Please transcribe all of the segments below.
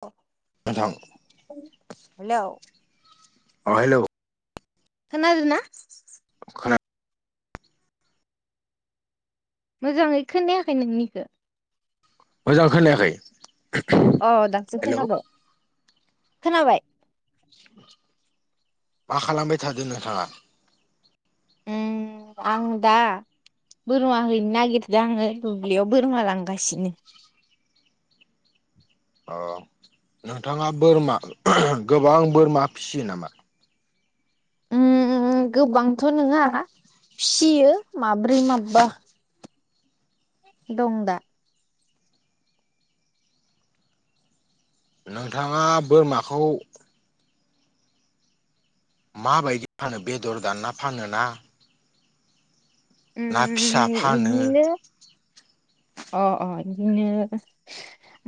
औ। नोंथां हेलौ। अ' हेल'। खोनादोंना? खोना मोजाङै खोनायाखै नोंनिखो। मोजां खोनायाखै? अ' दासो हेलौ खोनादो खोनाबाय खोनाबाय। मा खालामबाय थादो नोंथाङा। ओम आं दा बोरमा हैनो नागिरदों आङो दुब्लियाव बोरमा लांगासिनो। अ' नोंथाङा बोरमा गोबां बोरमा फिसियो नामा। ओम गोबांथ' नङा फिसियो माब्रै माबा। दं दा। नोंथाङा बोरमाखौ माबायदि फानो बेदर दानना फानो ना ना फिसा फानो बिदिनो अ' अ' बिदिनो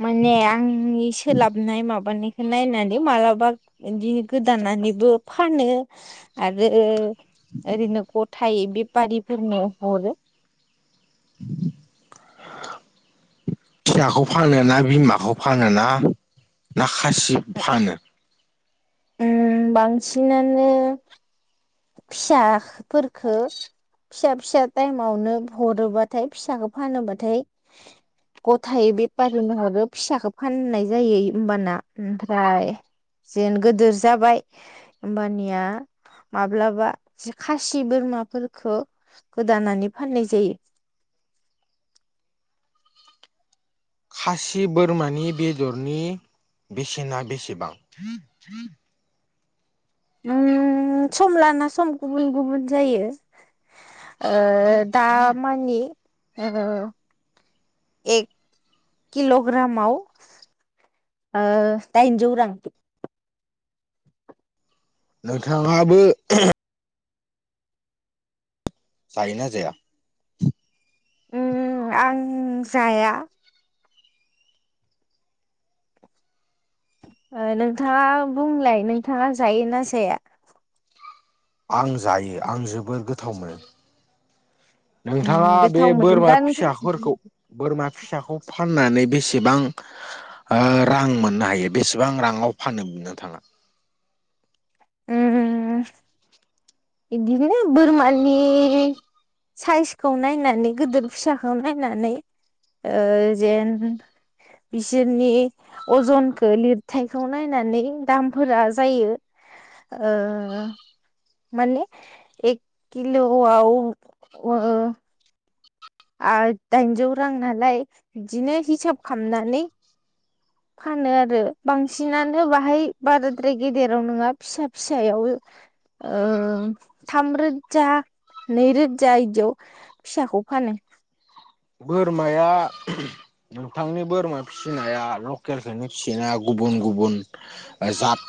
माने आंनि सोलाबनाय माबानि नायनानै मालाबा बिदिनो गोदानानैबो फानो आरो ओरैनो गथायै बेफारिफोरनो हरो। [unintelligible] फिसाखौ फानो ना, बिमाखौ फानो ना, ना खासिखौ फानो। ओम बांसिनानो फिसाफोरखो फिसा-फिसा टाइमावनो हरोबाथाय फिसाखौ फानोब्लाथाय [inaudible] गथायै बेफारिनि हरो फिसाखौ फाननाय जायो होमबाना। ओमफ्राय जेन गोदोर जाबाय होमबानिया माब्लाबा खासि बोरमाफोरखौ गोदानानै फाननाय जायो। खासि बोरमानि बेदरनि बेसेना बेसेबां? ओम सम लाना सम गुबुन गुबुन जायो। ओ दामानि ओ एक किल'ग्रामाव ओ दाइनजौ रां। नोंथाङाबो जायोना जाया? ओ आं जाया। नोंथाङा बुंलाय नोंथाङा जायोना जाया? आं जायो आं जोबोर गोथाव मोनो। उम नोंथाङा बे गोथाव बोरमा मोनोब्ला नोंथां फिसाफोरखौ बोरमा फिसाखौ फाननानै बेसेबां रां मोननो हायो बेसेबां राङाव फानो नोंथाङा? उम बेदिनो बोरमानि साइजखौ नायनानै गिदिर फिसाखौ नायनानै ओ जेन बिसोरनि अजनखौ लिरथायखौ नायनानै दामफोरा जायो। ओ माने ए किल'आव आर दाइनजौ रां नालाय बिदिनो हिसाब खालामनानै फानो आरो बांसिनानो बाहाय बाराद्राय गेदेराव नङा फिसा फिसायाव ओ थाम रोजा नैरोजा इदिङाव फिसाखौ फानो बोरमाया नोंथांनि बोरमा फिसिनाया लकेलखोनो फिसियोना गुबुन गुबुन जाद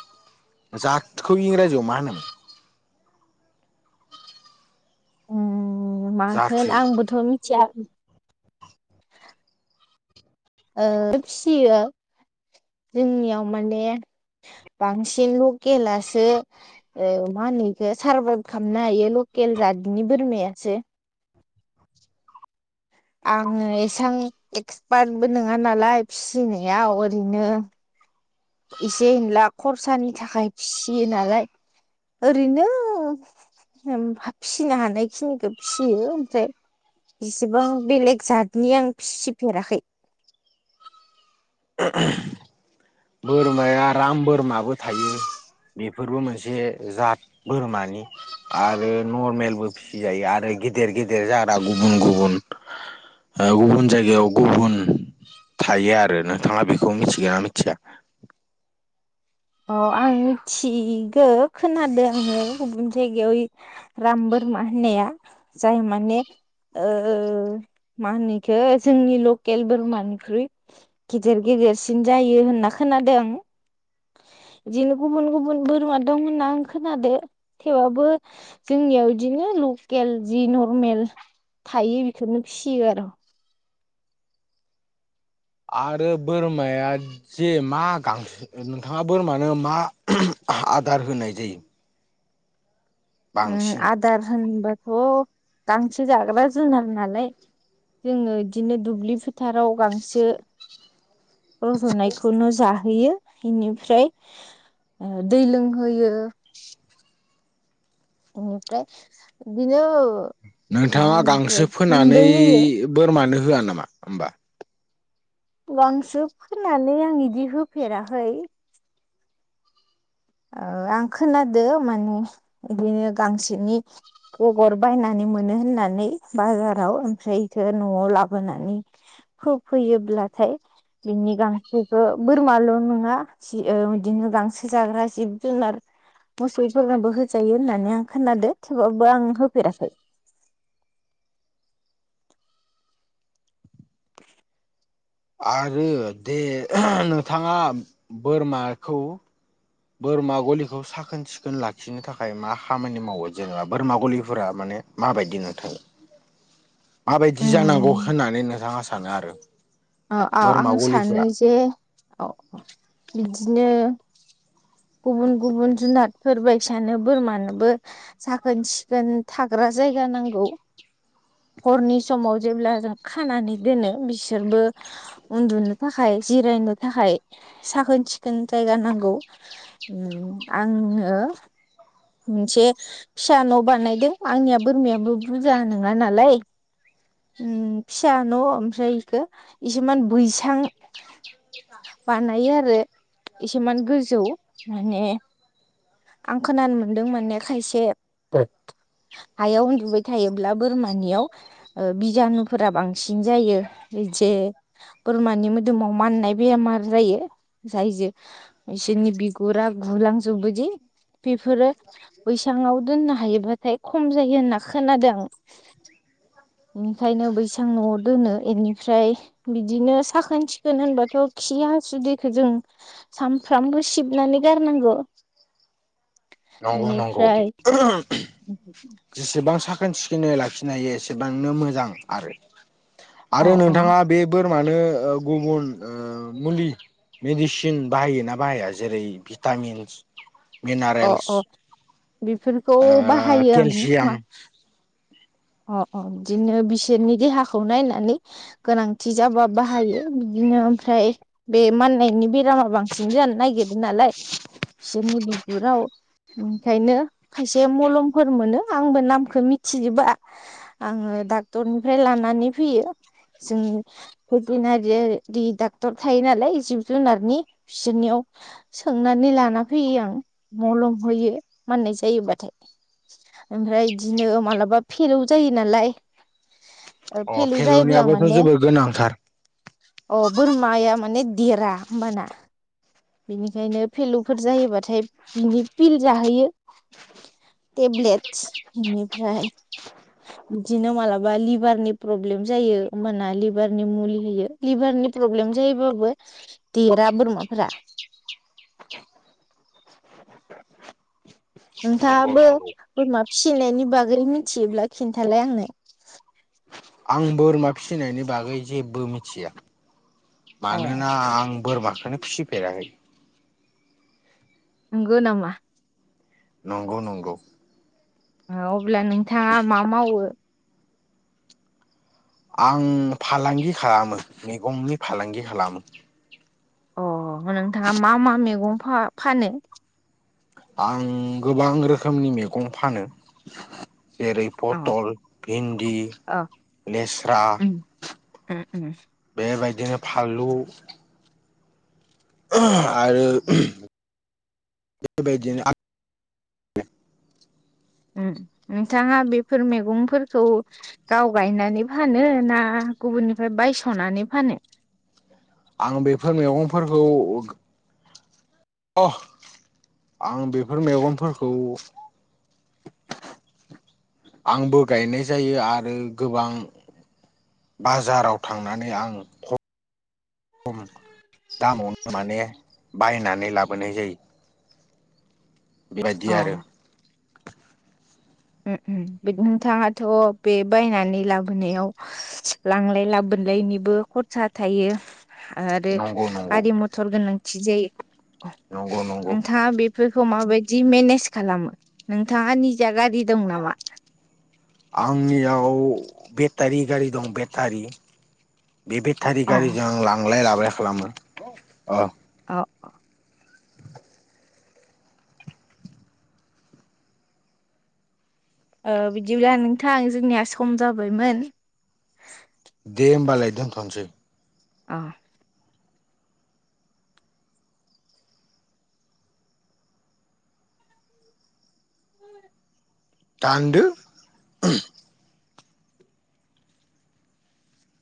जदखौ इंराजियाव मा होनो? उम माथो जाथो आंबोथ' मिथिया ओ फियो जोंनियाव माने बांसिन लकेलासो औ मा होनोैखौ सारभाइभ खालामनो हायो लकेल जादनि बोरमायासो आङो एसबां एक्सपार्टबो नङा नालाय फिसिनायाव ओरैनो एसे होनला खरसानि थाखाय फिसियो नालाय ओरैनो फिसिनो हानाय खिनिखौ फिसियो ओमफ्राय बेसिबां बेलेग जतनि आं फिसिफेराखै [unintelligible] बोरमाया राम बोरमाबो थायो। बेफोरबो मोनसे जात बोरमानि आरो नरमेलबो फिसिजायो आरो गेदेर गेदेर जाग्रा गुबुन गुबुन गुबुन जायगायाव गुबुन थायो आरो नोंथाङा बेखौ मिथिगोन ना मिथिया अ आं मिथिगौ खोनादों आङो गुबुन जायगायाव राम बोरमा होननाया जाय माने ओ मा होनोखौ जोंनि लकेल बोरमानिख्रुइ गिदेर गिदेरसिन जायो होनना खोनादों। बिदिनो गुबुन गुबुन बोरमा दं होनना आं खोनादो थेवबाबो जोंनियाव बिदिनो लकेल जि नरमेल थायो बेखौनो फियो आरो आरो बोरमाया जे मा गां नोंथाङा बोरमानो मा आदार होनाय जायो। उम बांसिन आदार होनबाथ' गांसो जाग्रा जुनार नालाय जोङो बिदिनो दुब्लि फोथाराव गांसो रज'नायखौनो जाहोयो बेनिफ्राय दै लोंहोयो बेनिफ्राय बिदिनो मा नोंथाङा होनो गांसो इखो फोनानै गुन्दै होयो बोरमानो होआ नामा होमबा गांसो फोननानै आं बिदि होफेराखै ओ आं खोनादों माने बिदिनो गांसोनि गगर बायनानै मोनो होननानै बाजाराव ओमफ्रायथो न'आव लाबोनानै हो फैयोब्लाथाय बिनि गांसोखौ बोरमाल' नङा ओ बिदिनो गांसो जाग्रा जिब जुनार मोसौफोरनाबो होजायो होननानै आं खोनादो थेवाबबो आं होफेराखै। [inaudible] आरो दे नोंथाङा बोरमाखौ बोरमा गलिखौ साखोन सिखोन लाखिनो थाखाय मा खामानि मावो। जेनेबा बोरमा गलिफोरा माने माबायदि नुथाय माबायदि जानांगौ उम होननानै नोंथाङा सानो आरो? अ' अ' बोरमा आं गलिफोरा सानो जे अ' बिदिनो गुबुन गुबुन जुनादफोर बायदिसानो बोरमानोबो साखोन सिखोन थाग्रा जायगा नांगौ। हरनि समाव जेब्ला जों खानानै दोनो बिसोरबो उन्दुनो थाखाय जिरायनो थाखाय साखोन सिखोन जायगा नांगौ। आङो मोनसे फिसा न' बानायदों आंनिया बोरमायाबो बुरजा नङा नालाय। उम फिसा न' ओमफ्राय बेखौ इसुमान बैसां बानायो आरो एसेमान गोजौ माने आं खोनानो मोनदोंमोन ने खायसे हायाव उन्दुबाय थायोब्ला बोरमानियाव बिजानुफोरा बांसिन जायो। जे बोरमानि मोदोमाव माननाय बेमार जायो। जायजो बिसोरनि बिगुरा गुलांजोबबो बेफोरो बैसांआव दोननो हायोबाथाय खम जायो होनना खोनादों आं। बेनिखायनो बैसां न'आव दोनो इनिफ्राय बिदिनो साखोन सिखोन होनबाथ' खि हासुदिखौ जों सामफ्रामबो सिबनानै गारनांगौ। नंगौ नंगौ इनिफ्राय जेसेबां साखोन सिखोनै लाखिनो हायो एसेबांनो मोजां आरो। अ आरो अ नोंथाङा बे बोरमानो ओ गुबुन ओ मुलि मेडिसिन बाहायोना बाहाया जेरै भिटामिन्स अ मिनारेल्स? अ बेफोरखौ ओ बाहायो आं केलसियाम मा। अ'-अ' बिदिनो बिसोरनि देहाखौ नायनानै गोनांथि जाबा बाहायो बिदिनो ओमफ्राय बे माननायनि बे बेरामा बांसिन जानो नागिरदों नालाय बिसोरनि बिगुराव ओंखायनो खायसे मलमफोर मोनो आंबो नामखौ मिथिजोबा आङो डाक्टरनिफ्राय लानानै फैयो। जों भेटेनारि डाक्टर थायो नालाय जिब जुनारनि बिसोरनियाव सोंनानै लाना फैयो आं। मलम होयो माननाय जायोबाथाय। ओमफ्राय बिदिनो माबलाबा फेलोव जायो नालाय अ फिलु जैबब्ला फेल'नियाबोथ' माने जोबोर गोनांथार अ' बोरमाया माने देरा होनोमबाना। बिनिखायनो फलुफोर जायोबाथाय बिनि बिल जाहोयो। टेब्लेटस बेनिफ्राय बिदिनो मालाबा लिभारनि प्रब्लेम जायो। होमबाना लिभारनि मुलि होयो। लिभारनि प्रब्लेम जायोबाबो देरा बोरमाफोरा। नंगौ नोंथाङाबो नंगौ बोरमा फिसिनायनि बागै मिथियोब्ला खिन्थालाय आंनो। आं बोरमा फिसिनायनि बागै जेबो मिथिया। अ मानोना आं बोरमाखोनो फिसिफेराखै। नंगौ नामा? नंगौ-नंगौ। अब्ला नोंथाङा मा मावो? आं फालांगि खालामो मैगंनि फालांगि खालामो अ नोंथाङा मा मा मैगं फानो आं गोबां रोखोमनि मैगं फानो जेरै अ पटल भिन्दि अ लेस्रा ओ ओ बेबायदिनो फानलु आरो बेबायदिनो नोंथाङा बेफोर मैगंफोरखौ गाव गायनानै फानो ना गुबुननिफ्राय बायस'नानै फानो आं बेफोर मैगंफोरखौ अ आं बेफोर मेगंफोरखौ आंबो गायनाय जायो आरो गोबां बाजाराव थांनानै आं खम दामावनो माने बायनानै लाबोनाय जायो। बेबायदि अ आरो [inaudible] नोंथाङाथ' बे बायनानै लाबोनायाव लांलाय लाबोनलायनिबो खरसा थायो आरो नंगौ नंगौ गारि मथर गोनांथि जायो नंगौ नंगौ नोंथाङा बे खौ माबायदि मेनेज खालामो नोंथाङा निजा गारि दं नामा आंनियाव बेटारि गारि दं बेटारि बे बेटारि अ गारिजों आं लांलाय लाबोलाय खालामो अ अ अ ओ बिदिब्ला नोंथां जोंनिया सम जाबायमोन दे होमबालाय दोनथ'नोसै औ दानदो